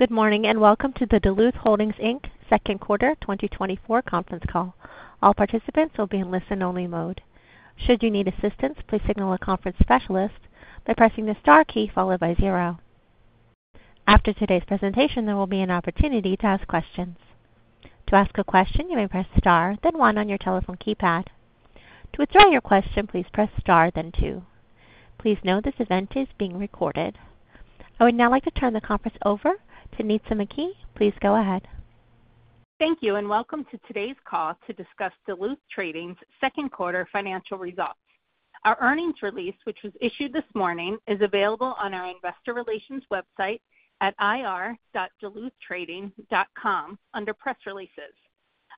Good morning, and welcome to the Duluth Holdings, Inc second quarter 2024 conference call. All participants will be in listen-only mode. Should you need assistance, please signal a conference specialist by pressing the star key followed by zero. After today's presentation, there will be an opportunity to ask questions. To ask a question, you may press star, then one on your telephone keypad. To withdraw your question, please press star, then two. Please note this event is being recorded. I would now like to turn the conference over to Nitza McKee. Please go ahead. Thank you, and welcome to today's call to discuss Duluth Trading's second quarter financial results. Our earnings release, which was issued this morning, is available on our investor relations website at ir.duluthtrading.com under Press Releases.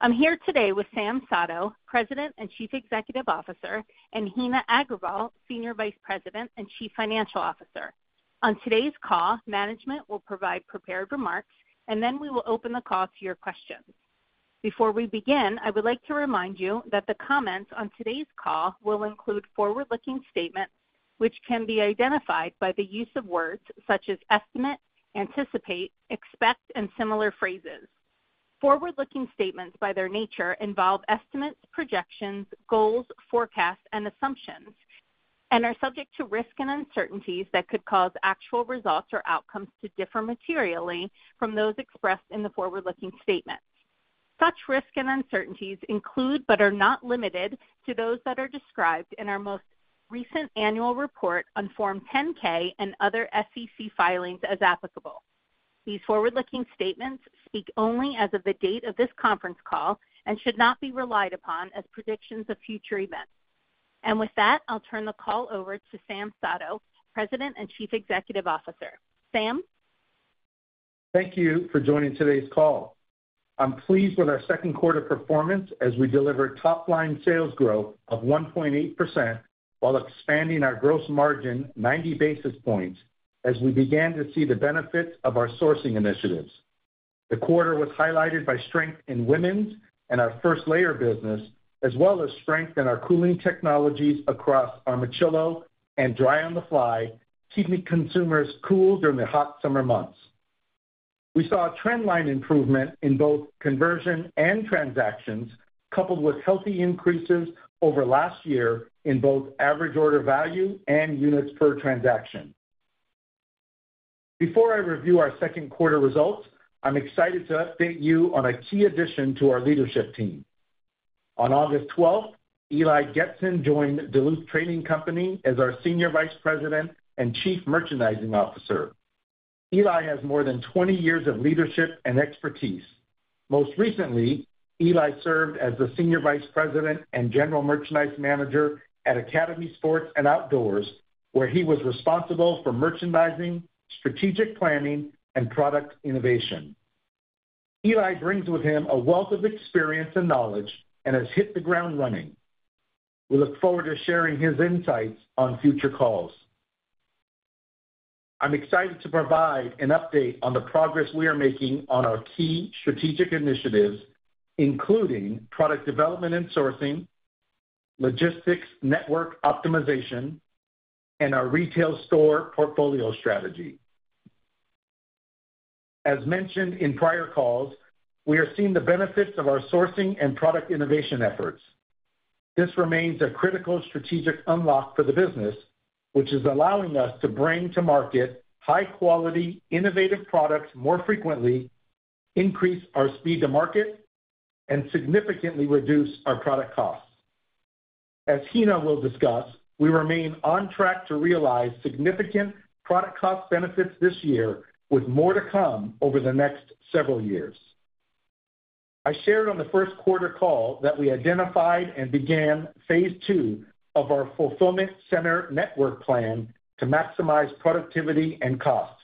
I'm here today with Sam Sato, President and Chief Executive Officer, and Heena Agrawal, Senior Vice President and Chief Financial Officer. On today's call, management will provide prepared remarks, and then we will open the call to your questions. Before we begin, I would like to remind you that the comments on today's call will include forward-looking statements, which can be identified by the use of words such as estimate, anticipate, expect, and similar phrases. Forward-looking statements, by their nature, involve estimates, projections, goals, forecasts, and assumptions, and are subject to risk and uncertainties that could cause actual results or outcomes to differ materially from those expressed in the forward-looking statements. Such risks and uncertainties include, but are not limited to, those that are described in our most recent annual report on Form 10-K and other SEC filings, as applicable. These forward-looking statements speak only as of the date of this conference call and should not be relied upon as predictions of future events. And with that, I'll turn the call over to Sam Sato, President and Chief Executive Officer. Sam? Thank you for joining today's call. I'm pleased with our second quarter performance as we delivered top-line sales growth of 1.8% while expanding our gross margin 90 basis points as we began to see the benefits of our sourcing initiatives. The quarter was highlighted by strength in women's and our first layer business, as well as strength in our cooling technologies across Armachillo and Dry on the Fly, keeping consumers cool during the hot summer months. We saw a trend line improvement in both conversion and transactions, coupled with healthy increases over last year in both average order value and units per transaction. Before I review our second quarter results, I'm excited to update you on a key addition to our leadership team. On August 12th, Eli Getson joined Duluth Trading Company as our Senior Vice President and Chief Merchandising Officer. Eli has more than 20 years of leadership and expertise. Most recently, Eli served as the Senior Vice President and General Merchandise Manager at Academy Sports + Outdoors, where he was responsible for merchandising, strategic planning, and product innovation. Eli brings with him a wealth of experience and knowledge and has hit the ground running. We look forward to sharing his insights on future calls. I'm excited to provide an update on the progress we are making on our key strategic initiatives, including product development and sourcing, logistics, network optimization, and our retail store portfolio strategy. As mentioned in prior calls, we are seeing the benefits of our sourcing and product innovation efforts. This remains a critical strategic unlock for the business, which is allowing us to bring to market high-quality, innovative products more frequently, increase our speed to market, and significantly reduce our product costs. As Heena will discuss, we remain on track to realize significant product cost benefits this year, with more to come over the next several years. I shared on the first quarter call that we identified and began phase II of our fulfillment center network plan to maximize productivity and cost.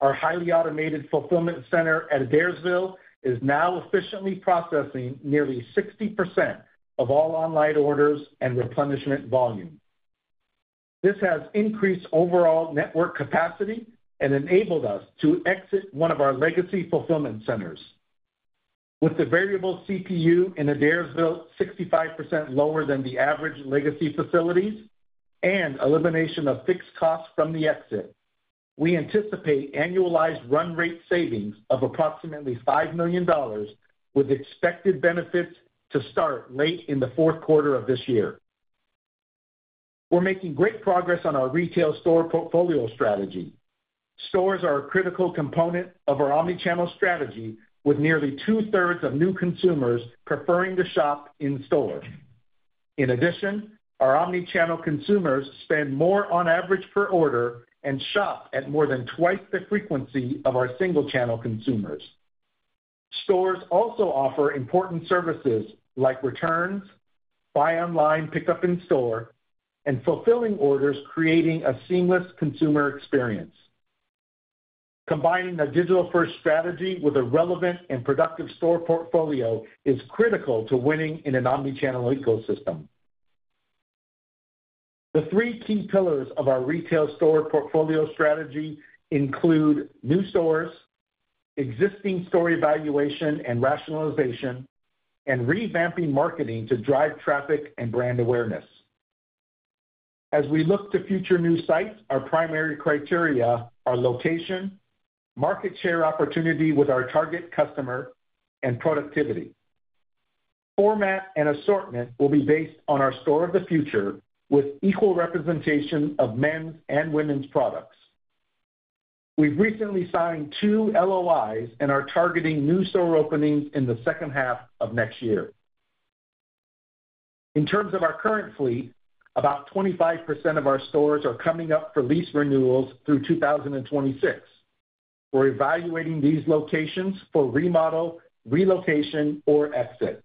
Our highly automated fulfillment center at Adairsville is now efficiently processing nearly 60% of all online orders and replenishment volume. This has increased overall network capacity and enabled us to exit one of our legacy fulfillment centers. With the variable CPU in Adairsville 65% lower than the average legacy facilities and elimination of fixed costs from the exit, we anticipate annualized run rate savings of approximately $5 million, with expected benefits to start late in the fourth quarter of this year. We're making great progress on our retail store portfolio strategy. Stores are a critical component of our omnichannel strategy, with nearly 2/3 of new consumers preferring to shop in-store. In addition, our omnichannel consumers spend more on average per order and shop at more than twice the frequency of our single-channel consumers. Stores also offer important services like returns, buy online, pickup in store, and fulfilling orders, creating a seamless consumer experience. Combining a digital-first strategy with a relevant and productive store portfolio is critical to winning in an omnichannel ecosystem. The three key pillars of our retail store portfolio strategy include new stores, existing store evaluation and rationalization, and revamping marketing to drive traffic and brand awareness. As we look to future new sites, our primary criteria are location, market share opportunity with our target customer, and productivity. Format and assortment will be based on our store of the future, with equal representation of men's and women's products. We've recently signed two LOIs and are targeting new store openings in the second half of next year. In terms of our current fleet, about 25% of our stores are coming up for lease renewals through 2026. We're evaluating these locations for remodel, relocation, or exit.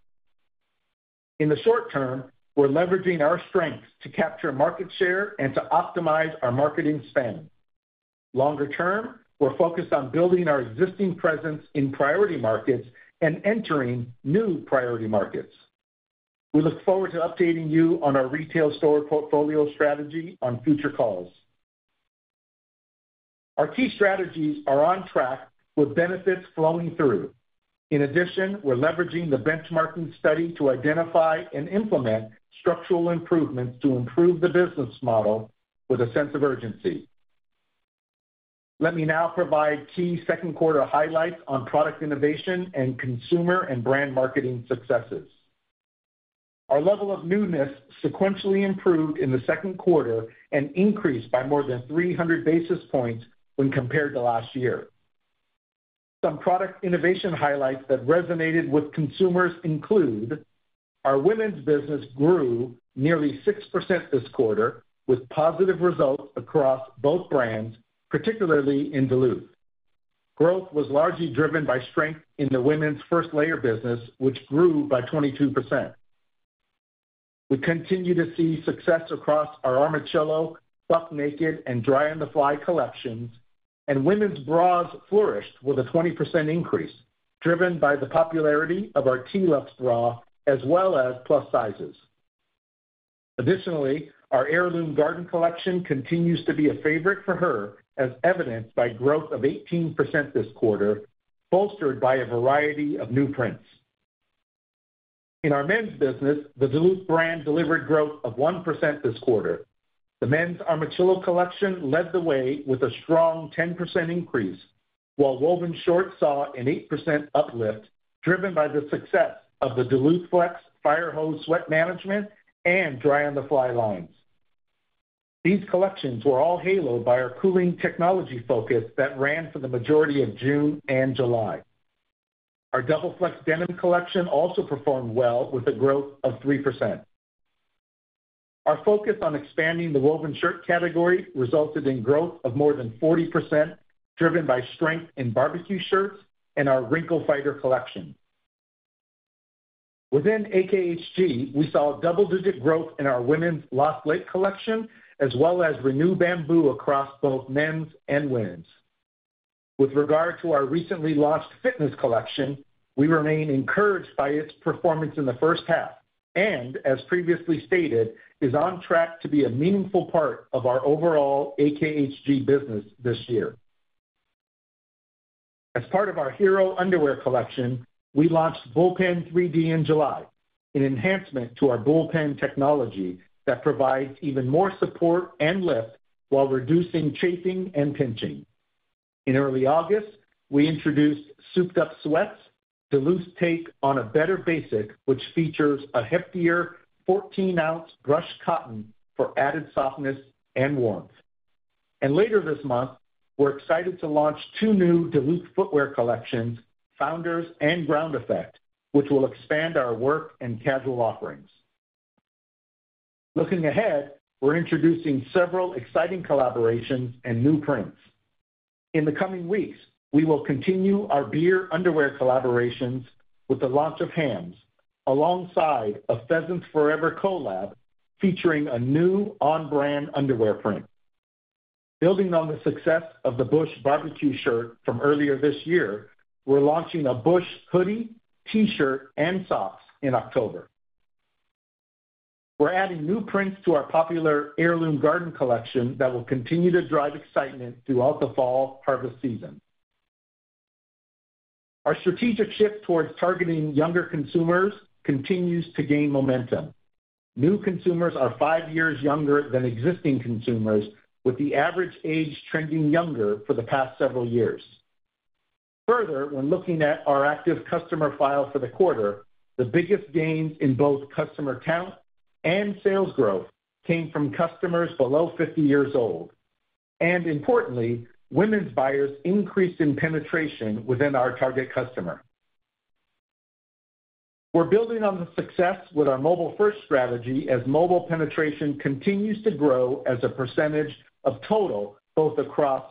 In the short term, we're leveraging our strengths to capture market share and to optimize our marketing spend. Longer term, we're focused on building our existing presence in priority markets and entering new priority markets. We look forward to updating you on our retail store portfolio strategy on future calls. Our key strategies are on track with benefits flowing through. In addition, we're leveraging the benchmarking study to identify and implement structural improvements to improve the business model with a sense of urgency. Let me now provide key second quarter highlights on product innovation and consumer and brand marketing successes. Our level of newness sequentially improved in the second quarter and increased by more than 300 basis points when compared to last year. Some product innovation highlights that resonated with consumers include: our women's business grew nearly 6% this quarter, with positive results across both brands, particularly in Duluth. Growth was largely driven by strength in the women's first layer business, which grew by 22%. We continue to see success across our Armachillo, Buck Naked, and Dry on the Fly collections, and women's bras flourished with a 20% increase, driven by the popularity of our TeeLUXE bra as well as plus sizes. Additionally, our Heirloom Garden collection continues to be a favorite for her, as evidenced by growth of 18% this quarter, bolstered by a variety of new prints. In our men's business, the Duluth brand delivered growth of 1% this quarter. The men's Armachillo collection led the way with a strong 10% increase, while woven shorts saw an 8% uplift, driven by the success of the DuluthFlex Fire Hose sweat management and Dry on the Fly lines. These collections were all haloed by our cooling technology focus that ran for the majority of June and July. Our Double Flex denim collection also performed well, with a growth of 3%. Our focus on expanding the woven shirt category resulted in growth of more than 40%, driven by strength in barbecue shirts and our Wrinklefighter collection. Within AKHG, we saw double-digit growth in our women's Lost Lake collection, as well as Renew Bamboo across both men's and women's. With regard to our recently launched fitness collection, we remain encouraged by its performance in the first half and, as previously stated, is on track to be a meaningful part of our overall AKHG business this year. As part of our Hero underwear collection, we launched Bullpen 3D in July, an enhancement to our Bullpen technology that provides even more support and lift while reducing chafing and pinching. In early August, we introduced Souped-Up Sweats, Duluth's take on a better basic, which features a heftier 14-ounce brushed cotton for added softness and warmth. And later this month, we're excited to launch two new Duluth footwear collections, Founders and Ground Effect, which will expand our work and casual offerings. Looking ahead, we're introducing several exciting collaborations and new prints. In the coming weeks, we will continue our beer underwear collaborations with the launch of Hamm's, alongside a Pheasants Forever collab featuring a new on-brand underwear print. Building on the success of the Busch barbecue shirt from earlier this year, we're launching a Busch hoodie, T-shirt, and socks in October. We're adding new prints to our popular Heirloom Garden collection that will continue to drive excitement throughout the fall harvest season. Our strategic shift towards targeting younger consumers continues to gain momentum. New consumers are five years younger than existing consumers, with the average age trending younger for the past several years. Further, when looking at our active customer file for the quarter, the biggest gains in both customer count and sales growth came from customers below 50 years old. And importantly, women's buyers increased in penetration within our target customer. We're building on the success with our mobile-first strategy, as mobile penetration continues to grow as a percentage of total, both across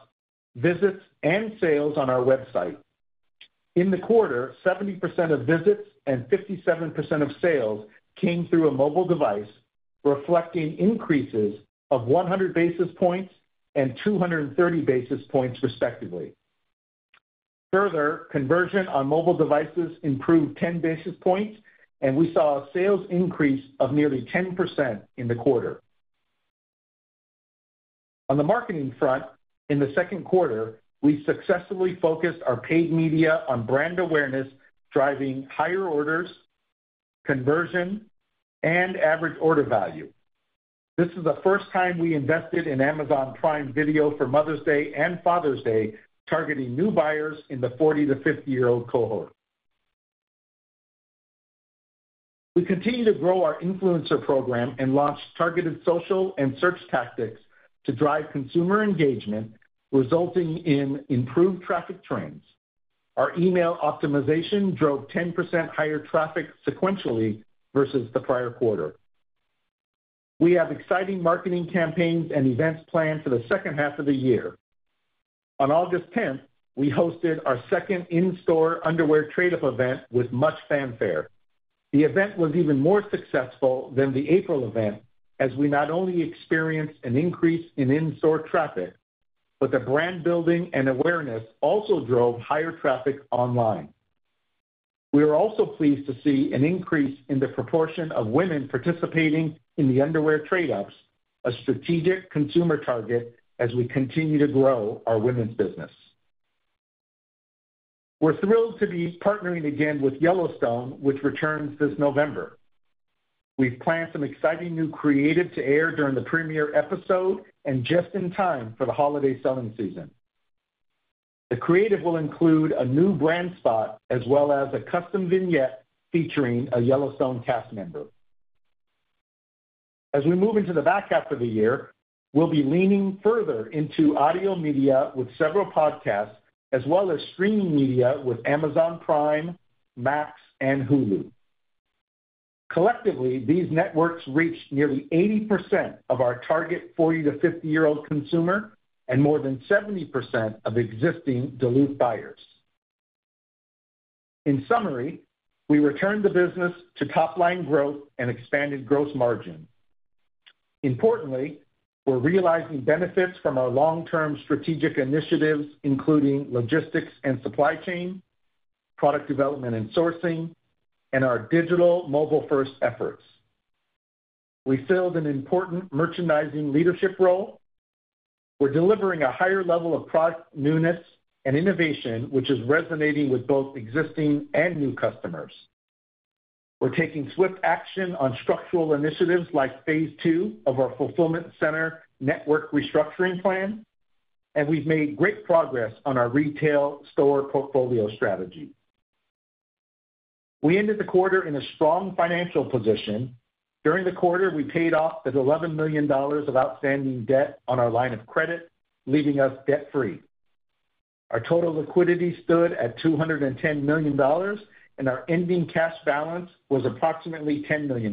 visits and sales on our website. In the quarter, 70% of visits and 57% of sales came through a mobile device, reflecting increases of 100 basis points and 230 basis points, respectively. Further, conversion on mobile devices improved 10 basis points, and we saw a sales increase of nearly 10% in the quarter. On the marketing front, in the second quarter, we successfully focused our paid media on brand awareness, driving higher orders, conversion, and average order value. This is the first time we invested in Amazon Prime Video for Mother's Day and Father's Day, targeting new buyers in the 40- to 50-year-old cohort. We continue to grow our influencer program and launched targeted social and search tactics to drive consumer engagement, resulting in improved traffic trends. Our email optimization drove 10% higher traffic sequentially versus the prior quarter. We have exciting marketing campaigns and events planned for the second half of the year. On August 10th, we hosted our second in-store underwear trade-up event with much fanfare. The event was even more successful than the April event, as we not only experienced an increase in in-store traffic, but the brand building and awareness also drove higher traffic online. We are also pleased to see an increase in the proportion of women participating in the underwear trade-ups, a strategic consumer target as we continue to grow our women's business. We're thrilled to be partnering again with Yellowstone, which returns this November. We've planned some exciting new creative to air during the premiere episode and just in time for the holiday selling season. The creative will include a new brand spot, as well as a custom vignette featuring a Yellowstone cast member. As we move into the back half of the year, we'll be leaning further into audio media with several podcasts, as well as streaming media with Amazon Prime, Max, and Hulu. Collectively, these networks reach nearly 80% of our target 40- to 50-year-old consumer and more than 70% of existing Duluth buyers. In summary, we returned the business to top-line growth and expanded gross margin. Importantly, we're realizing benefits from our long-term strategic initiatives, including logistics and supply chain, product development and sourcing, and our digital mobile-first efforts. We filled an important merchandising leadership role. We're delivering a higher level of product newness and innovation, which is resonating with both existing and new customers. We're taking swift action on structural initiatives like phase II of our fulfillment center network restructuring plan, and we've made great progress on our retail store portfolio strategy. We ended the quarter in a strong financial position. During the quarter, we paid off the $11 million of outstanding debt on our line of credit, leaving us debt-free. Our total liquidity stood at $210 million, and our ending cash balance was approximately $10 million.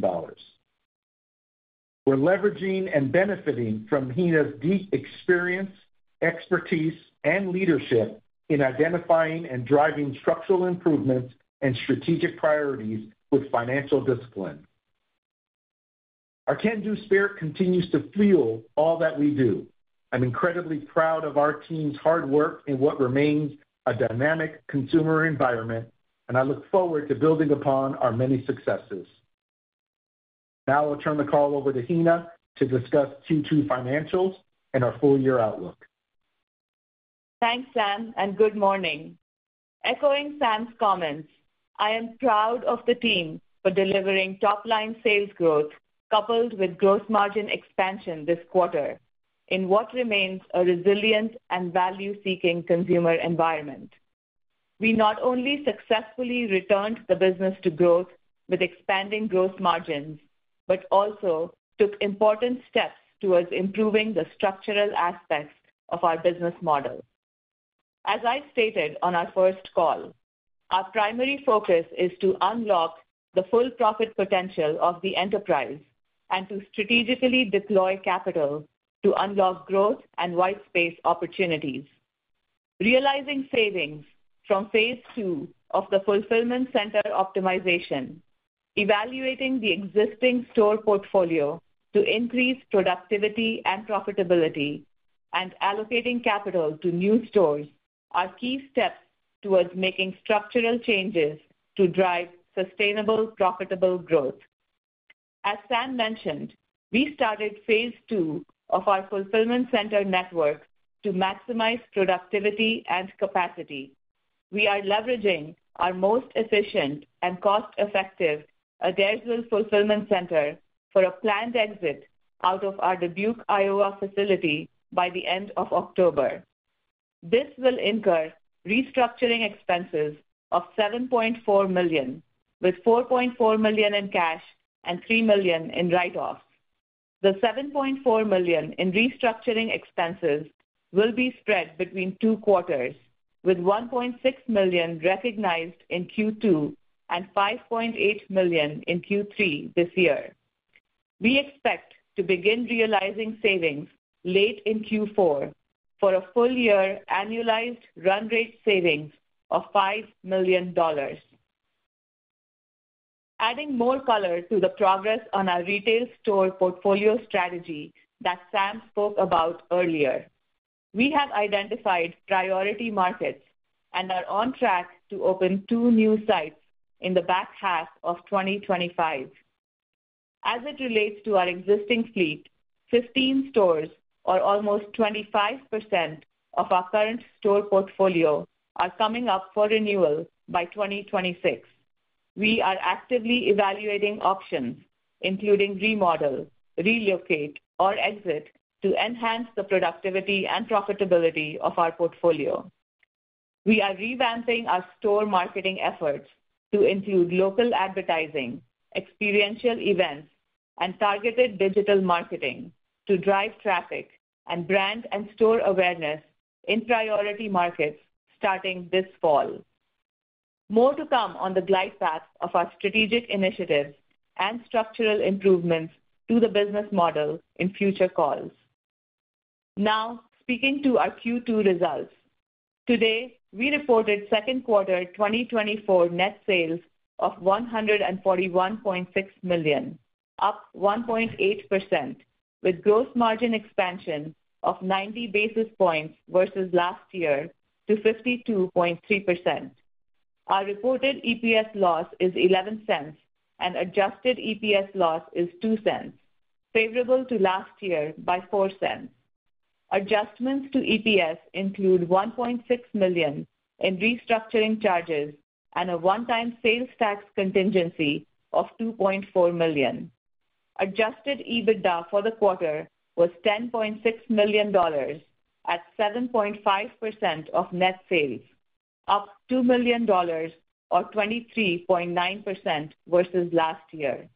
We're leveraging and benefiting from Heena's deep experience, expertise, and leadership in identifying and driving structural improvements and strategic priorities with financial discipline. Our can-do spirit continues to fuel all that we do. I'm incredibly proud of our team's hard work in what remains a dynamic consumer environment, and I look forward to building upon our many successes. Now I'll turn the call over to Heena to discuss Q2 financials and our full-year outlook. Thanks, Sam, and good morning. Echoing Sam's comments, I am proud of the team for delivering top-line sales growth, coupled with gross margin expansion this quarter, in what remains a resilient and value-seeking consumer environment. We not only successfully returned the business to growth with expanding gross margins, but also took important steps towards improving the structural aspects of our business model. As I stated on our first call, our primary focus is to unlock the full profit potential of the enterprise and to strategically deploy capital to unlock growth and white space opportunities. Realizing savings from phase II of the fulfillment center optimization, evaluating the existing store portfolio to increase productivity and profitability, and allocating capital to new stores are key steps towards making structural changes to drive sustainable, profitable growth. As Sam mentioned, we started phase II of our fulfillment center network to maximize productivity and capacity. We are leveraging our most efficient and cost-effective Adairsville fulfillment center for a planned exit out of our Dubuque, Iowa, facility by the end of October. This will incur restructuring expenses of $7.4 million, with $4.4 million in cash and $3 million in write-offs. The $7.4 million in restructuring expenses will be spread between two quarters, with $1.6 million recognized in Q2 and $5.8 million in Q3 this year. We expect to begin realizing savings late in Q4 for a full-year annualized run rate savings of $5 million. Adding more color to the progress on our retail store portfolio strategy that Sam spoke about earlier. We have identified priority markets and are on track to open two new sites in the back half of 2025. As it relates to our existing fleet, 15 stores, or almost 25% of our current store portfolio, are coming up for renewal by 2026. We are actively evaluating options, including remodel, relocate, or exit, to enhance the productivity and profitability of our portfolio. We are revamping our store marketing efforts to include local advertising, experiential events, and targeted digital marketing to drive traffic and brand and store awareness in priority markets starting this fall. More to come on the glide path of our strategic initiatives and structural improvements to the business model in future calls. Now, speaking to our Q2 results. Today, we reported second quarter 2024 net sales of $141.6 million, up 1.8%, with gross margin expansion of 90 basis points versus last year to 52.3%. Our reported EPS loss is $0.11, and Adjusted EPS loss is $0.02, favorable to last year by $0.04. Adjustments to EPS include $1.6 million in restructuring charges and a one-time sales tax contingency of $2.4 million. Adjusted EBITDA for the quarter was $10.6 million at 7.5% of net sales, up $2 million or 23.9% versus last year.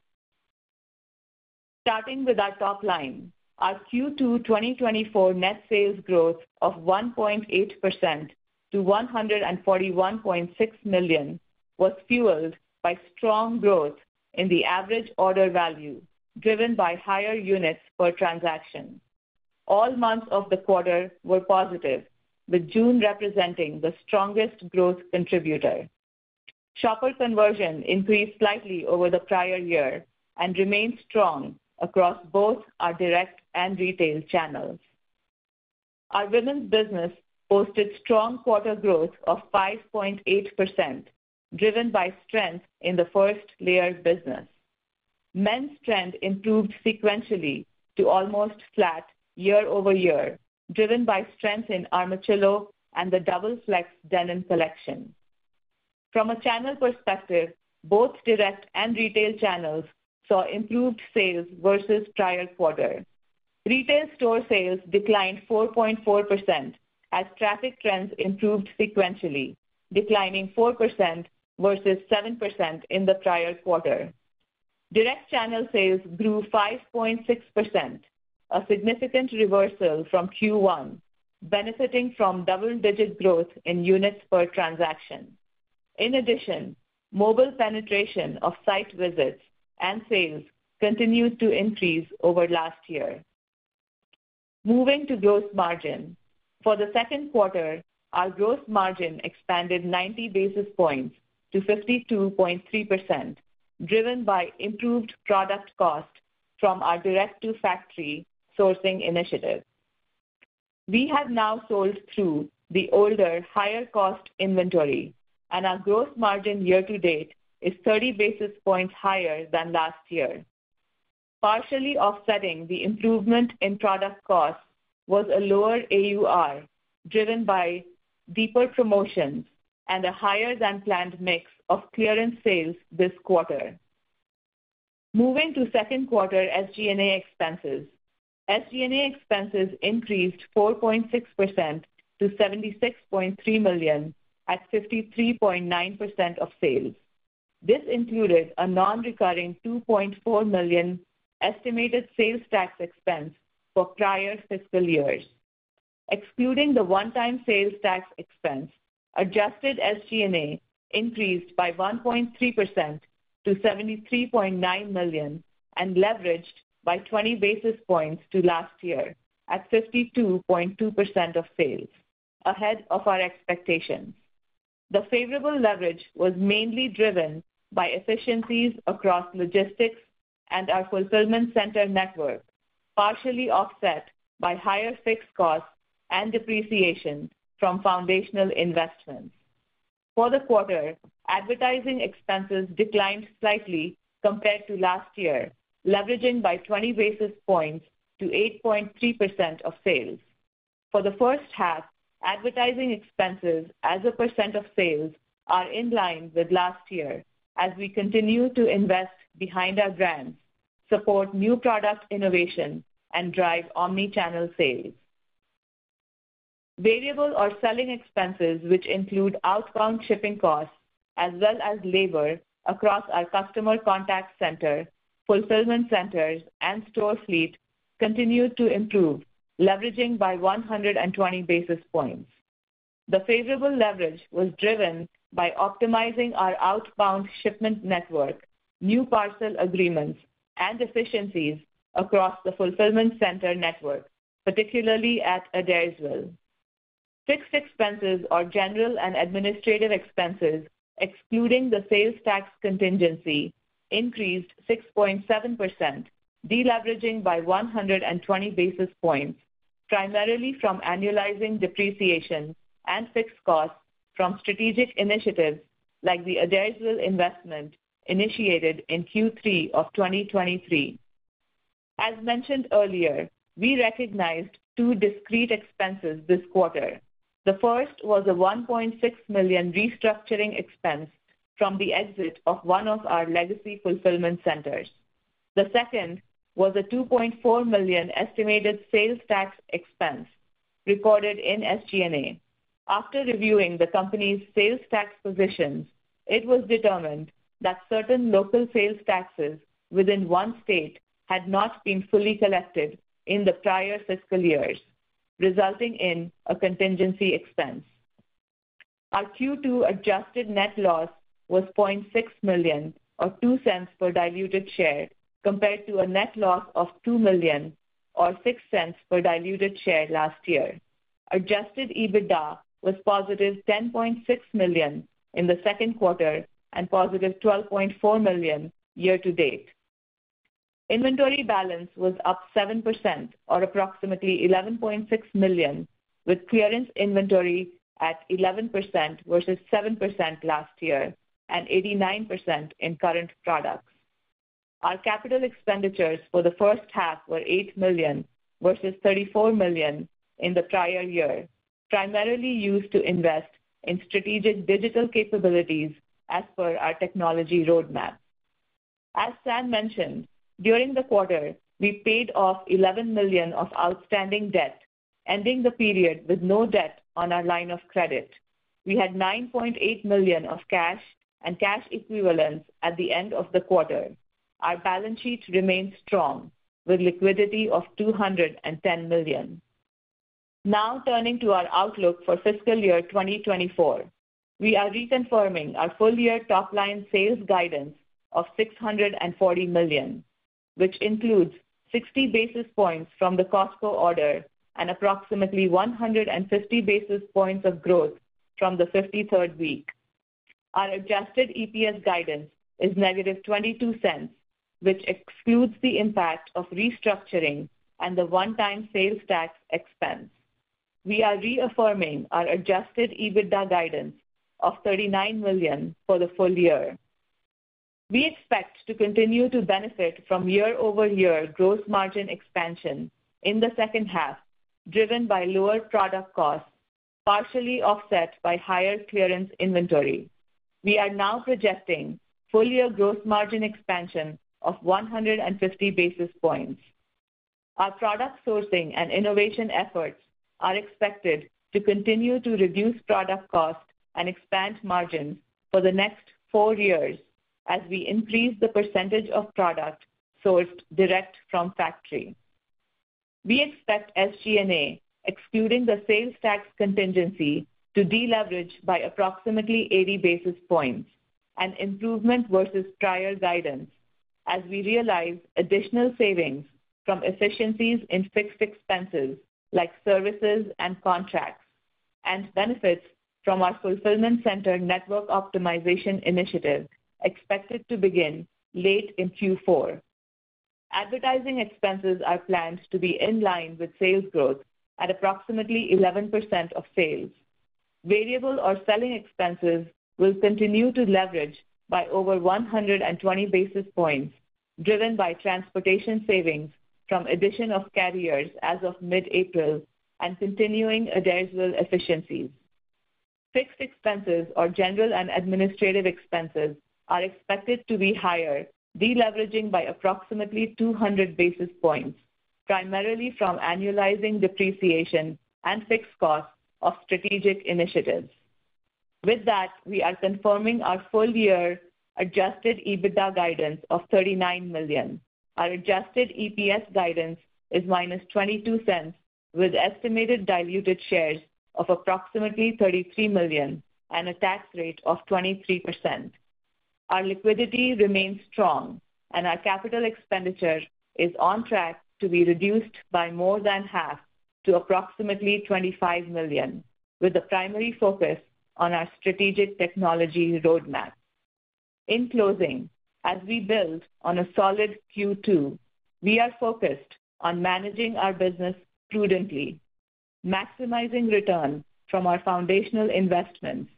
Starting with our top line, our Q2 2024 net sales growth of 1.8% to $141.6 million was fueled by strong growth in the average order value, driven by higher units per transaction. All months of the quarter were positive, with June representing the strongest growth contributor. Shopper conversion increased slightly over the prior year and remained strong across both our direct and retail channels. Our women's business posted strong quarter growth of 5.8%, driven by strength in the first layers business. Men's trend improved sequentially to almost flat year-over-year, driven by strength in Armachillo and the Double Flex denim collection. From a channel perspective, both direct and retail channels saw improved sales versus prior quarter. Retail store sales declined 4.4%, as traffic trends improved sequentially, declining 4% versus 7% in the prior quarter. Direct channel sales grew 5.6%, a significant reversal from Q1, benefiting from double-digit growth in units per transaction. In addition, mobile penetration of site visits and sales continued to increase over last year. Moving to gross margin. For the second quarter, our gross margin expanded 90 basis points to 52.3%, driven by improved product cost from our direct-to-factory sourcing initiative. We have now sold through the older, higher-cost inventory, and our gross margin year-to-date is 30 basis points higher than last year. Partially offsetting the improvement in product cost was a lower AUR, driven by deeper promotions and a higher-than-planned mix of clearance sales this quarter. Moving to second quarter SG&A expenses. SG&A expenses increased 4.6% to $76.3 million, at 53.9% of sales. This included a non-recurring $2.4 million estimated sales tax expense for prior fiscal years. Excluding the one-time sales tax expense, adjusted SG&A increased by 1.3% to $73.9 million and leveraged by 20 basis points to last year, at 52.2% of sales, ahead of our expectations. The favorable leverage was mainly driven by efficiencies across logistics and our fulfillment center network, partially offset by higher fixed costs and depreciation from foundational investments. For the quarter, advertising expenses declined slightly compared to last year, leveraging by 20 basis points to 8.3% of sales. For the first half, advertising expenses as a % of sales are in line with last year as we continue to invest behind our brands, support new product innovation, and drive omni-channel sales. Variable or selling expenses, which include outbound shipping costs, as well as labor across our customer contact center, fulfillment centers, and store fleet, continued to improve, leveraging by 120 basis points. The favorable leverage was driven by optimizing our outbound shipment network, new parcel agreements, and efficiencies across the fulfillment center network, particularly at Adairsville.... Fixed expenses or general and administrative expenses, excluding the sales tax contingency, increased 6.7%, deleveraging by 120 basis points, primarily from annualizing depreciation and fixed costs from strategic initiatives like the Adairsville investment initiated in Q3 of 2023. As mentioned earlier, we recognized two discrete expenses this quarter. The first was a $1.6 million restructuring expense from the exit of one of our legacy fulfillment centers. The second was a $2.4 million estimated sales tax expense recorded in SG&A. After reviewing the company's sales tax positions, it was determined that certain local sales taxes within one state had not been fully collected in the prior fiscal years, resulting in a contingency expense. Our Q2 adjusted net loss was $0.6 million, or $0.02 per diluted share, compared to a net loss of $2 million or $0.06 per diluted share last year. Adjusted EBITDA was +$10.6 million in the second quarter and +$12.4 million year-to-date. Inventory balance was up 7% or approximately $11.6 million, with clearance inventory at 11% versus 7% last year, and 89% in current products. Our capital expenditures for the first half were $8 million versus $34 million in the prior year, primarily used to invest in strategic digital capabilities as per our technology roadmap. As Sam mentioned, during the quarter, we paid off $11 million of outstanding debt, ending the period with no debt on our line of credit. We had $9.8 million of cash and cash equivalents at the end of the quarter. Our balance sheet remains strong, with liquidity of $210 million. Now, turning to our outlook for fiscal year 2024. We are reconfirming our full-year top-line sales guidance of $640 million, which includes 60 basis points from the Costco order and approximately 150 basis points of growth from the 53rd week. Our Adjusted EPS guidance is -$0.22, which excludes the impact of restructuring and the one-time sales tax expense. We are reaffirming our Adjusted EBITDA guidance of $39 million for the full year. We expect to continue to benefit from year-over-year gross margin expansion in the second half, driven by lower product costs, partially offset by higher clearance inventory. We are now projecting full-year gross margin expansion of 150 basis points. Our product sourcing and innovation efforts are expected to continue to reduce product costs and expand margins for the next four years as we increase the percentage of product sourced direct from factory. We expect SG&A, excluding the sales tax contingency, to deleverage by approximately 80 basis points, an improvement versus prior guidance, as we realize additional savings from efficiencies in fixed expenses like services and contracts, and benefits from our fulfillment center network optimization initiative, expected to begin late in Q4. Advertising expenses are planned to be in line with sales growth at approximately 11% of sales. Variable or selling expenses will continue to leverage by over 120 basis points, driven by transportation savings from addition of carriers as of mid-April and continuing Adairsville efficiencies. Fixed expenses or general and administrative expenses are expected to be higher, deleveraging by approximately 200 basis points, primarily from annualizing depreciation and fixed costs of strategic initiatives. With that, we are confirming our full-year Adjusted EBITDA guidance of $39 million. Our Adjusted EPS guidance is -$0.22, with estimated diluted shares of approximately 33 million and a tax rate of 23%. Our liquidity remains strong, and our capital expenditure is on track to be reduced by more than half to approximately $25 million, with a primary focus on our strategic technology roadmap. In closing, as we build on a solid Q2, we are focused on managing our business prudently, maximizing return from our foundational investments,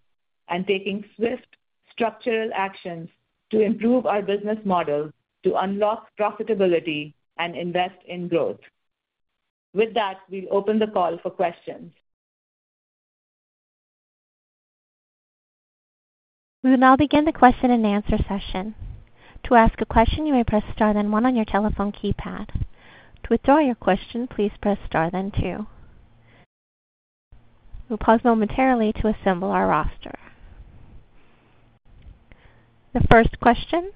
and taking swift structural actions to improve our business model to unlock profitability and invest in growth. With that, we open the call for questions. We will now begin the question-and-answer session. To ask a question, you may press star then one on your telephone keypad. To withdraw your question, please press star then two. We'll pause momentarily to assemble our roster. The first question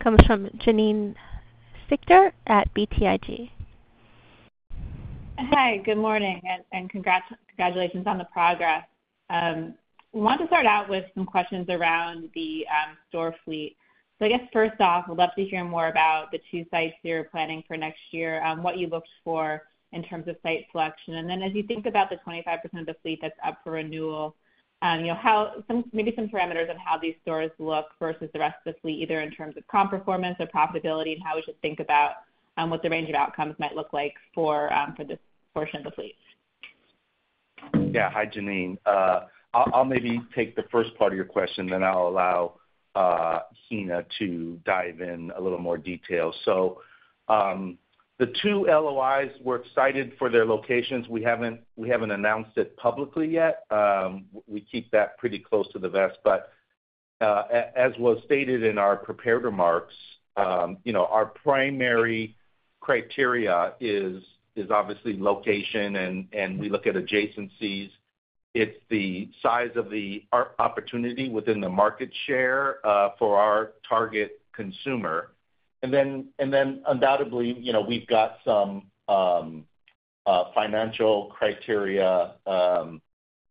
comes from Janine Stichter at BTIG. Hi, good morning, and congratulations on the progress. We want to start out with some questions around the store fleet. I guess first off, we'd love to hear more about the two sites you're planning for next year, what you looked for in terms of site selection. As you think about the 25% of the fleet that's up for renewal, you know, some, maybe some parameters of how these stores look versus the rest of the fleet, either in terms of comp performance or profitability, and how we should think about what the range of outcomes might look like for this portion of the fleet. Yeah. Hi, Janine. I'll maybe take the first part of your question, then I'll allow Heena to dive in a little more detail. So, the two LOIs, we're excited for their locations. We haven't announced it publicly yet. We keep that pretty close to the vest, but, as was stated in our prepared remarks, you know, our primary criteria is obviously location, and we look at adjacencies. It's the size of the area opportunity within the market share, for our target consumer. And then undoubtedly, you know, we've got some financial criteria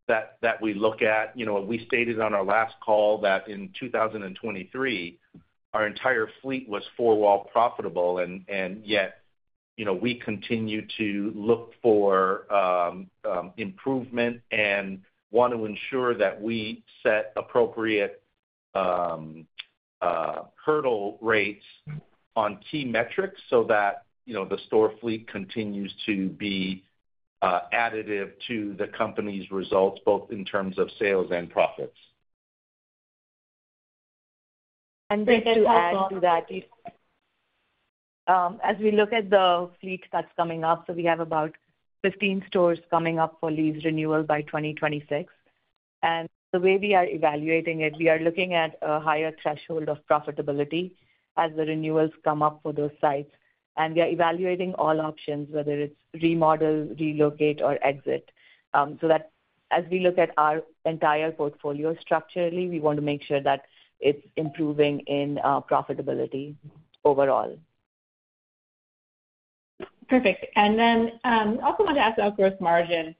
that we look at. You know, we stated on our last call that in 2023, our entire fleet was four-wall profitable, and yet, you know, we continue to look for improvement and want to ensure that we set appropriate hurdle rates on key metrics so that, you know, the store fleet continues to be additive to the company's results, both in terms of sales and profits. And just to add to that, as we look at the fleet that's coming up, so we have about 15 stores coming up for lease renewal by 2026. And the way we are evaluating it, we are looking at a higher threshold of profitability as the renewals come up for those sites. And we are evaluating all options, whether it's remodel, relocate, or exit, so that as we look at our entire portfolio structurally, we want to make sure that it's improving in profitability overall. Perfect. And then, also wanted to ask about gross margin.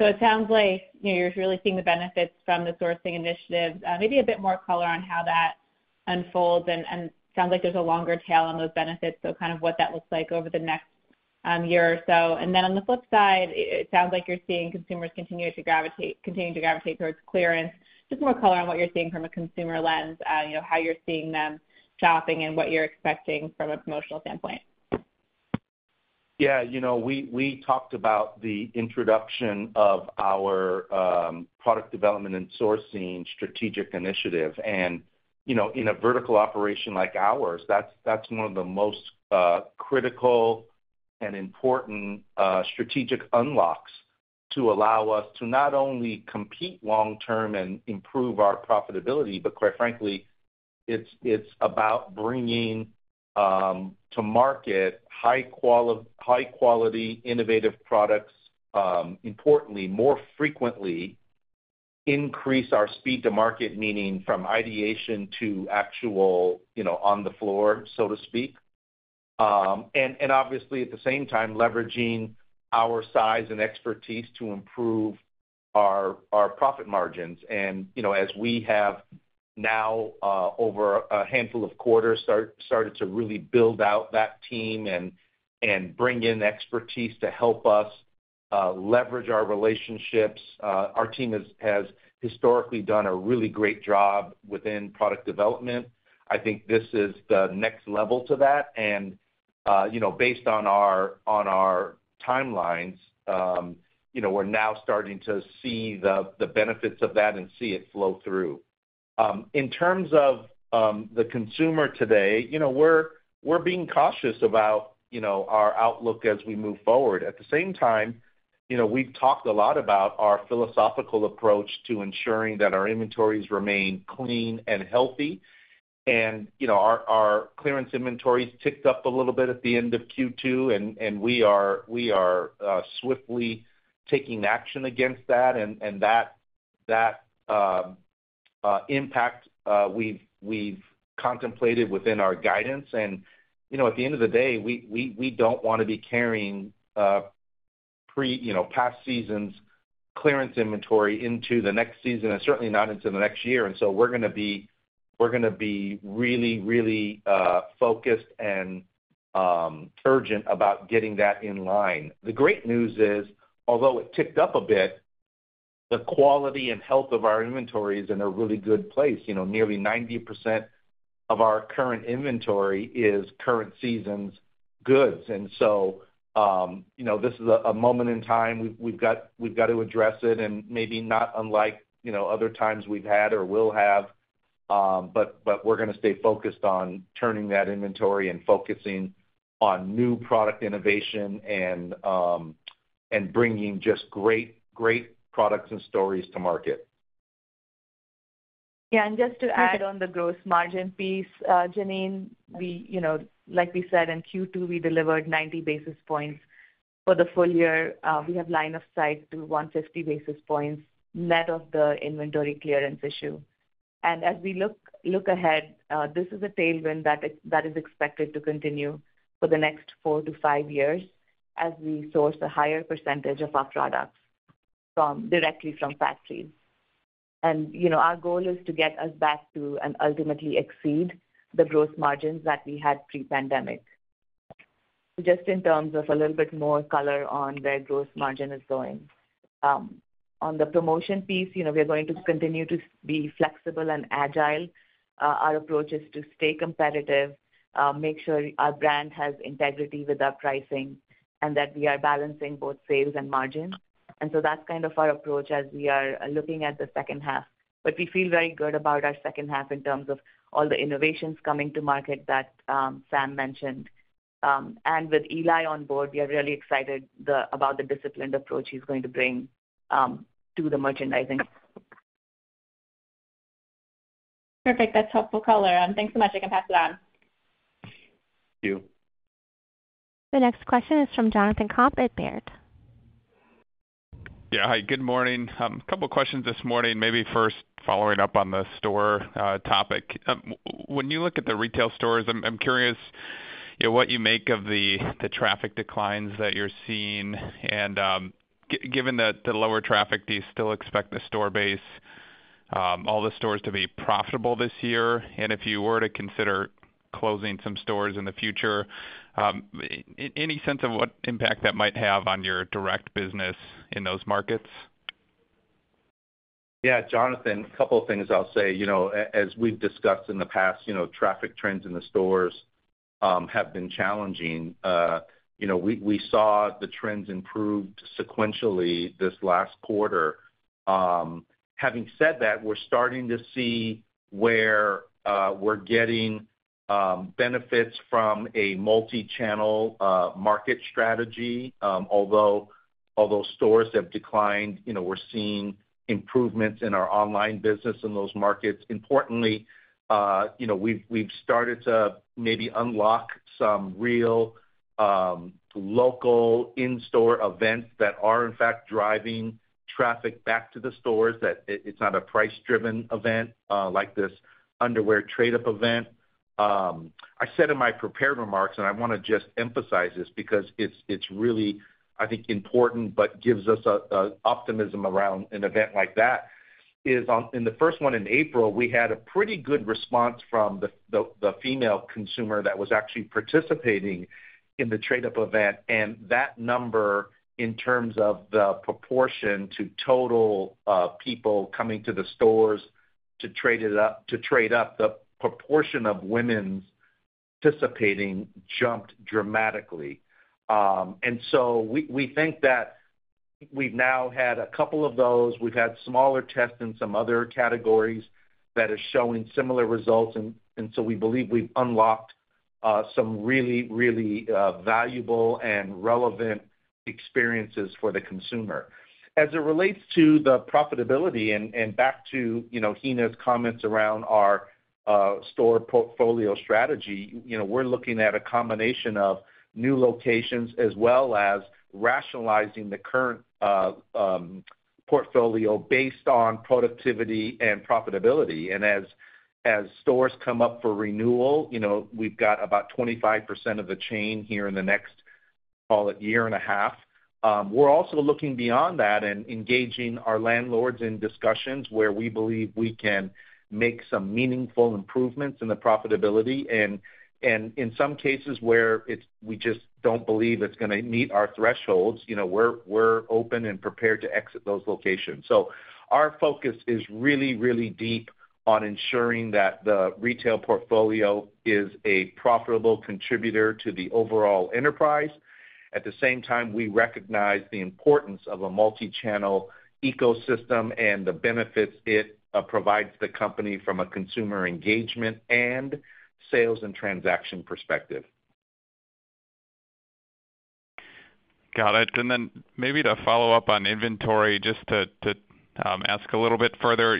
So it sounds like, you know, you're really seeing the benefits from the sourcing initiatives. Maybe a bit more color on how that unfolds, and sounds like there's a longer tail on those benefits, so kind of what that looks like over the next year or so. And then on the flip side, it sounds like you're seeing consumers continue to gravitate towards clearance. Just more color on what you're seeing from a consumer lens, you know, how you're seeing them shopping and what you're expecting from a promotional standpoint. Yeah, you know, we talked about the introduction of our product development and sourcing strategic initiative. You know, in a vertical operation like ours, that's one of the most critical and important strategic unlocks to allow us to not only compete long term and improve our profitability, but quite frankly, it's about bringing to market high quality, innovative products, importantly, more frequently, increase our speed to market, meaning from ideation to actual, you know, on the floor, so to speak. And obviously, at the same time, leveraging our size and expertise to improve our profit margins. And, you know, as we have now, over a handful of quarters, started to really build out that team and bring in expertise to help us, leverage our relationships, our team has historically done a really great job within product development. I think this is the next level to that, and, you know, based on our timelines, you know, we're now starting to see the benefits of that and see it flow through. In terms of the consumer today, you know, we're being cautious about, you know, our outlook as we move forward. At the same time, you know, we've talked a lot about our philosophical approach to ensuring that our inventories remain clean and healthy. You know, our clearance inventories ticked up a little bit at the end of Q2, and we are swiftly taking action against that, and that impact we've contemplated within our guidance. You know, at the end of the day, we don't want to be carrying past seasons' clearance inventory into the next season, and certainly not into the next year. So we're gonna be really focused and urgent about getting that in line. The great news is, although it ticked up a bit, the quality and health of our inventory is in a really good place. You know, nearly 90% of our current inventory is current season's goods. So, you know, this is a moment in time. We've got to address it and maybe not unlike, you know, other times we've had or will have, but we're gonna stay focused on turning that inventory and focusing on new product innovation and bringing just great, great products and stories to market. Yeah, and just to add on the gross margin piece, Janine, we, you know, like we said, in Q2, we delivered 90 basis points. For the full year, we have line of sight to 150 basis points, net of the inventory clearance issue. And as we look ahead, this is a tailwind that is expected to continue for the next four to five years as we source a higher percentage of our products directly from factories. And, you know, our goal is to get us back to, and ultimately exceed, the gross margins that we had pre-pandemic. Just in terms of a little bit more color on where gross margin is going. On the promotion piece, you know, we are going to continue to be flexible and agile. Our approach is to stay competitive, make sure our brand has integrity with our pricing, and that we are balancing both sales and margin. And so that's kind of our approach as we are looking at the second half. But we feel very good about our second half in terms of all the innovations coming to market that Sam mentioned. And with Eli on board, we are really excited about the disciplined approach he's going to bring to the merchandising. Perfect. That's helpful color, thanks so much. I can pass it on. Thank you. The next question is from Jonathan Komp at Baird. Yeah. Hi, good morning. Couple questions this morning, maybe first following up on the store topic. When you look at the retail stores, I'm curious, you know, what you make of the traffic declines that you're seeing? And, given that the lower traffic, do you still expect the store base, all the stores to be profitable this year? And if you were to consider closing some stores in the future, any sense of what impact that might have on your direct business in those markets? Yeah, Jonathan, a couple of things I'll say. You know, as we've discussed in the past, you know, traffic trends in the stores have been challenging. You know, we saw the trends improved sequentially this last quarter. Having said that, we're starting to see where we're getting benefits from a multi-channel market strategy. Although stores have declined, you know, we're seeing improvements in our online business in those markets. Importantly, you know, we've started to maybe unlock some real local in-store events that are, in fact, driving traffic back to the stores, that it's not a price-driven event like this underwear trade-up event. I said in my prepared remarks, and I wanna just emphasize this because it's really, I think, important, but gives us a optimism around an event like that, is in the first one in April, we had a pretty good response from the female consumer that was actually participating in the trade-up event. And that number, in terms of the proportion to total, people coming to the stores to trade up, the proportion of women participating jumped dramatically. And so we think that we've now had a couple of those. We've had smaller tests in some other categories that are showing similar results, and so we believe we've unlocked some really, really valuable and relevant experiences for the consumer. As it relates to the profitability and back to, you know, Heena's comments around our store portfolio strategy, you know, we're looking at a combination of new locations as well as rationalizing the current portfolio based on productivity and profitability. And as stores come up for renewal, you know, we've got about 25% of the chain here in the next, call it, year and a half. We're also looking beyond that and engaging our landlords in discussions where we believe we can make some meaningful improvements in the profitability. And in some cases where it's, we just don't believe it's gonna meet our thresholds, you know, we're open and prepared to exit those locations. So our focus is really, really deep on ensuring that the retail portfolio is a profitable contributor to the overall enterprise. At the same time, we recognize the importance of a multi-channel ecosystem and the benefits it provides the company from a consumer engagement and sales and transaction perspective. Got it. And then maybe to follow up on inventory, just to ask a little bit further.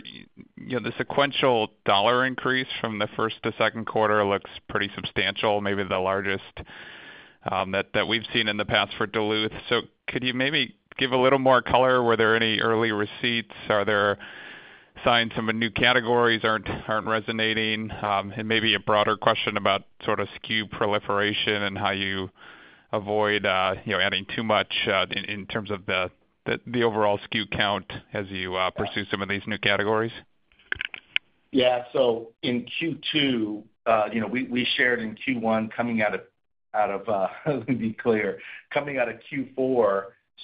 You know, the sequential dollar increase from the first to second quarter looks pretty substantial, maybe the largest that we've seen in the past for Duluth. So could you maybe give a little more color? Were there any early receipts? Are there signs some of new categories aren't resonating? And maybe a broader question about sort of SKU proliferation and how you avoid you know, adding too much in terms of the overall SKU count as you pursue some of these new categories? Yeah. So in Q2, you know, we shared in Q1, coming out of, let me be clear. Coming out of Q4,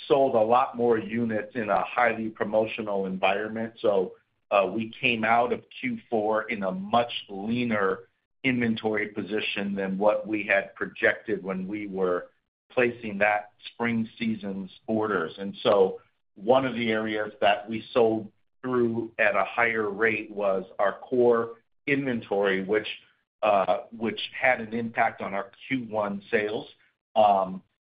sold a lot more units in a highly promotional environment, so, we came out of Q4 in a much leaner inventory position than what we had projected when we were placing that spring season's orders. And so one of the areas that we sold through at a higher rate was our core inventory, which had an impact on our Q1 sales.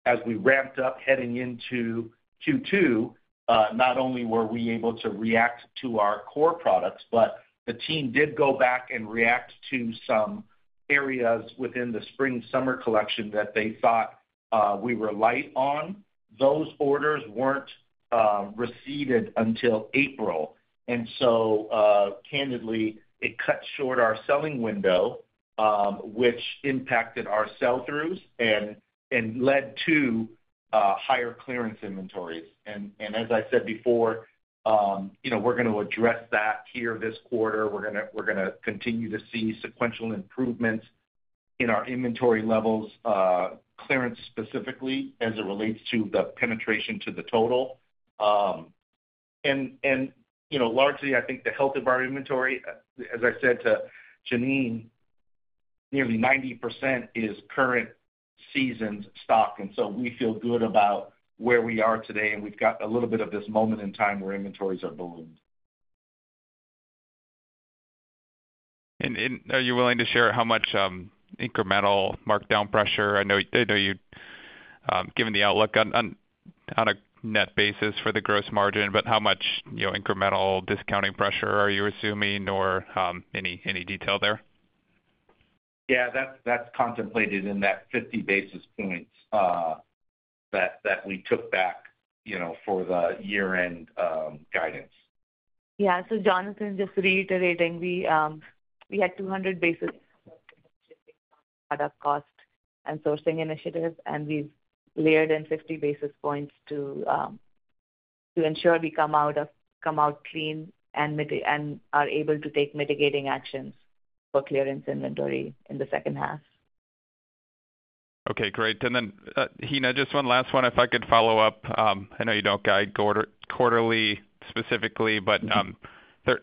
As we ramped up heading into Q2, not only were we able to react to our core products, but the team did go back and react to some areas within the spring/summer collection that we were light on. Those orders weren't received until April. And so, candidly, it cut short our selling window, which impacted our sell-throughs and led to higher clearance inventories. And as I said before, you know, we're gonna address that here this quarter. We're gonna continue to see sequential improvements in our inventory levels, clearance specifically, as it relates to the penetration to the total. And, you know, largely, I think the health of our inventory, as I said to Janine, nearly 90% is current seasoned stock, and so we feel good about where we are today, and we've got a little bit of this moment in time where inventories are ballooned. Are you willing to share how much incremental markdown pressure? I know you given the outlook on a net basis for the gross margin, but how much, you know, incremental discounting pressure are you assuming or any detail there? Yeah, that's contemplated in that 50 basis points that we took back, you know, for the year-end guidance. Yeah. So Jonathan, just reiterating, we had 200 basis points product cost and sourcing initiatives, and we've layered in 50 basis points to ensure we come out clean and are able to take mitigating actions for clearance inventory in the second half. Okay, great. And then, Heena, just one last one, if I could follow up. I know you don't guide quarterly specifically, but,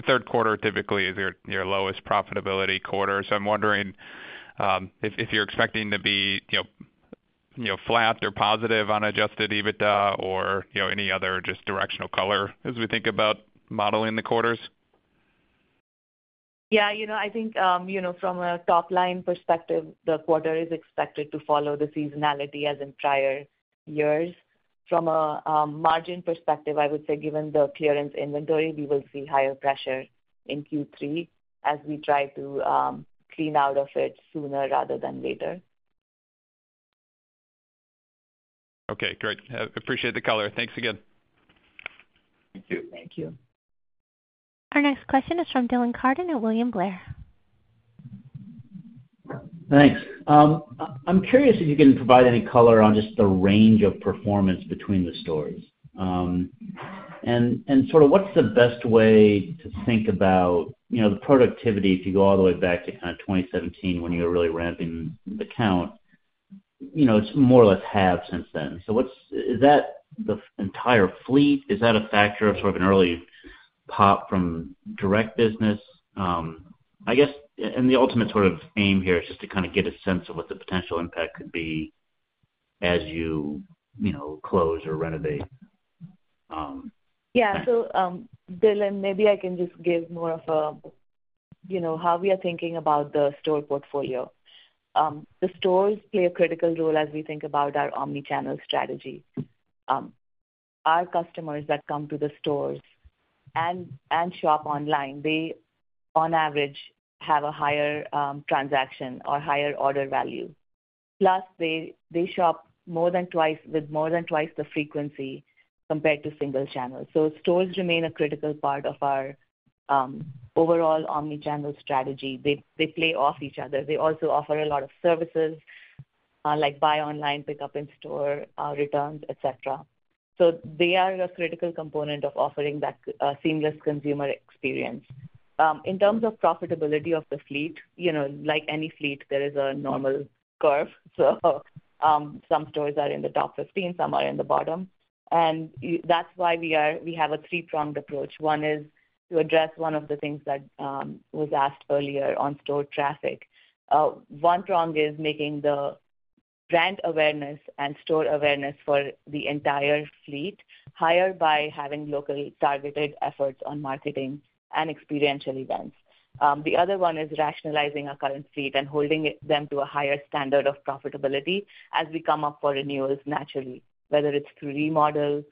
third quarter typically is your lowest profitability quarter. So I'm wondering, if you're expecting to be, you know, flat or positive on Adjusted EBITDA or, you know, any other just directional color as we think about modeling the quarters? Yeah, you know, I think, you know, from a top-line perspective, the quarter is expected to follow the seasonality as in prior years. From a margin perspective, I would say, given the clearance inventory, we will see higher pressure in Q3 as we try to clean out of it sooner rather than later. Okay, great. Appreciate the color. Thanks again. Thank you. Thank you. Our next question is from Dylan Carden at William Blair. Thanks. I'm curious if you can provide any color on just the range of performance between the stores, and sort of what's the best way to think about, you know, the productivity, if you go all the way back to kind of 2017, when you were really ramping the count? You know, it's more or less half since then. So is that the entire fleet? Is that a factor of sort of an early pop from direct business? I guess, and the ultimate sort of aim here is just to kind of get a sense of what the potential impact could be as you, you know, close or renovate. Yeah. So, Dylan, maybe I can just give more of a, you know, how we are thinking about the store portfolio. The stores play a critical role as we think about our omni-channel strategy. Our customers that come to the stores and, and shop online, they, on average, have a higher, transaction or higher order value. Plus, they, they shop more than twice, with more than twice the frequency compared to single channel. So stores remain a critical part of our, overall omni-channel strategy. They, they play off each other. They also offer a lot of services, like buy online, pick up in store, returns, et cetera. So they are a critical component of offering that, seamless consumer experience. In terms of profitability of the fleet, you know, like any fleet, there is a normal curve. So, some stores are in the top 15, some are in the bottom. And that's why we have a three-pronged approach. One is to address one of the things that was asked earlier on store traffic. One prong is making the brand awareness and store awareness for the entire fleet higher by having locally targeted efforts on marketing and experiential events. The other one is rationalizing our current fleet and holding them to a higher standard of profitability as we come up for renewals naturally, whether it's through remodel,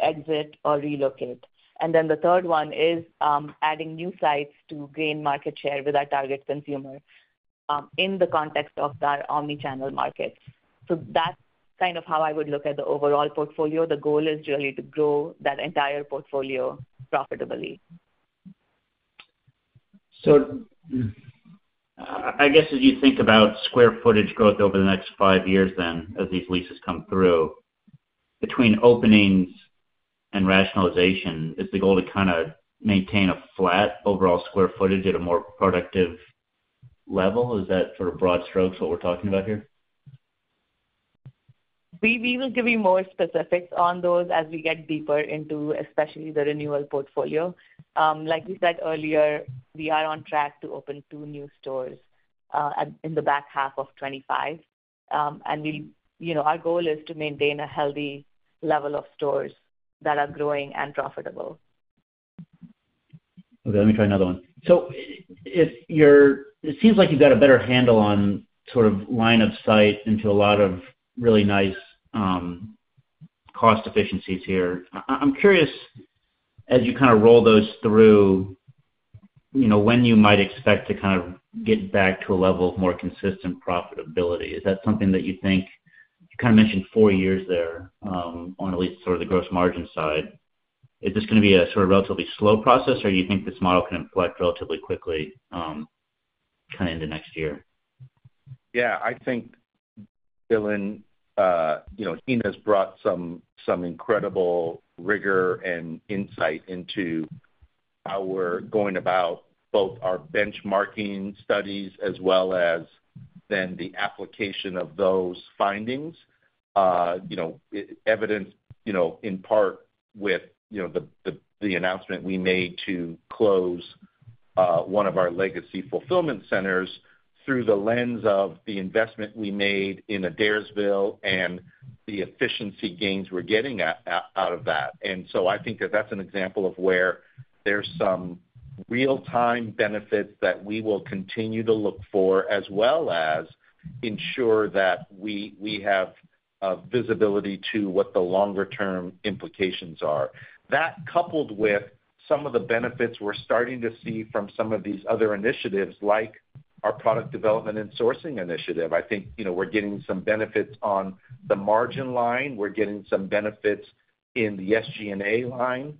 exit, or relocate. And then the third one is adding new sites to gain market share with our target consumer in the context of our omni-channel market. So that's kind of how I would look at the overall portfolio. The goal is really to grow that entire portfolio profitably. I guess, as you think about square footage growth over the next five years, then, as these leases come through, between openings and rationalization, is the goal to kinda maintain a flat overall square footage at a more productive level? Is that sort of broad strokes, what we're talking about here? We will give you more specifics on those as we get deeper into especially the renewal portfolio. Like we said earlier, we are on track to open two new stores in the back half of 2025, and we, you know, our goal is to maintain a healthy level of stores that are growing and profitable. Okay, let me try another one. It seems like you've got a better handle on sort of line of sight into a lot of really nice cost efficiencies here. I'm curious, as you kind of roll those through, you know, when you might expect to kind of get back to a level of more consistent profitability? Is that something that you think you kind of mentioned four years there, on at least sort of the gross margin side. Is this gonna be a sort of relatively slow process, or you think this model can inflect relatively quickly, kind of in the next year? Yeah, I think, Dylan, you know, Heena has brought some incredible rigor and insight into how we're going about both our benchmarking studies as well as then the application of those findings. You know, evident, you know, in part with the announcement we made to close one of our legacy fulfillment centers through the lens of the investment we made in Adairsville and the efficiency gains we're getting out of that. And so I think that that's an example of where there's some real-time benefits that we will continue to look for, as well as ensure that we have visibility to what the longer term implications are. That, coupled with some of the benefits we're starting to see from some of these other initiatives, like our product development and sourcing initiative, I think, you know, we're getting some benefits on the margin line. We're getting some benefits in the SG&A line.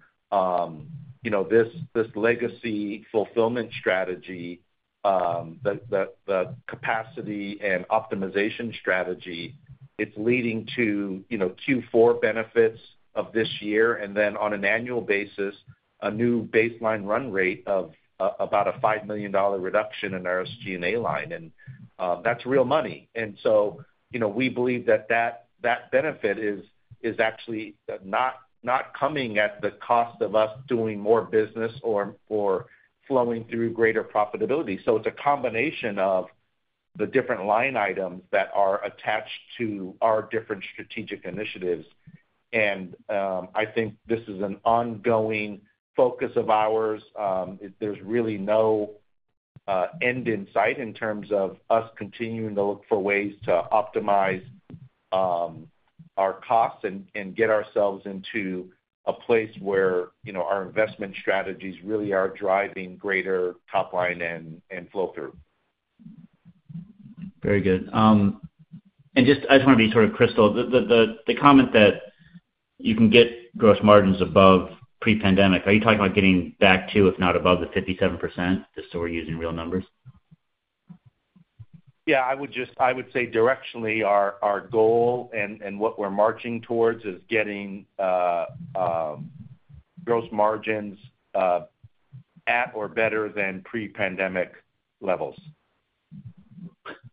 You know, this legacy fulfillment strategy, the capacity and optimization strategy, it's leading to, you know, Q4 benefits of this year. And then on an annual basis, a new baseline run rate of about a $5 million reduction in our SG&A line, and that's real money. And so, you know, we believe that benefit is actually not coming at the cost of us doing more business or flowing through greater profitability. So it's a combination of the different line items that are attached to our different strategic initiatives. I think this is an ongoing focus of ours. There's really no end in sight in terms of us continuing to look for ways to optimize our costs and get ourselves into a place where, you know, our investment strategies really are driving greater top line and flow-through. Very good. And just I just wanna be sort of crystal, the comment that you can get gross margins above pre-pandemic. Are you talking about getting back to, if not above, the 57%, just so we're using real numbers? Yeah, I would just say directionally, our goal and what we're marching towards is getting gross margins at or better than pre-pandemic levels.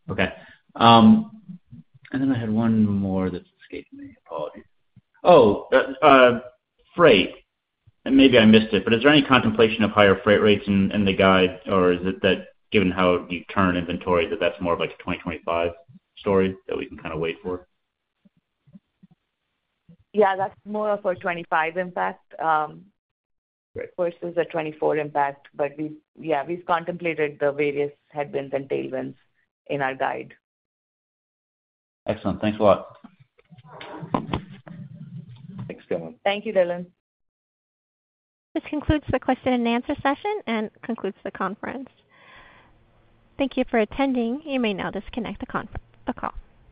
Okay, and then I had one more that's escaping me. Apologies. Oh, freight, and maybe I missed it, but is there any contemplation of higher freight rates in the guide? Or is it that given how you turn inventory, that that's more of like a 2025 story that we can kind of wait for? Yeah, that's more of a 2025 impact- Great. versus a 2024 impact. But we've, yeah, we've contemplated the various headwinds and tailwinds in our guide. Excellent. Thanks a lot. Thanks, Dylan. Thank you, Dylan. This concludes the question and answer session, and concludes the conference. Thank you for attending. You may now disconnect the call.